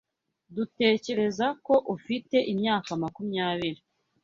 Dutekereza ko ufite imyaka makumyabiri.